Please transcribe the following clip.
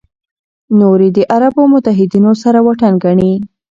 نور یې د عربو متحدینو سره واټن ګڼي.